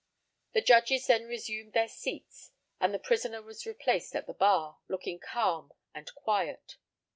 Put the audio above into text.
The Judges then resumed their seats, and the prisoner was replaced at the bar, looking calm and quiet.